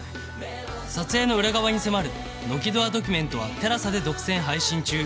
撮影の裏側に迫る「ノキドアドキュメント」は ＴＥＬＡＳＡ で独占配信中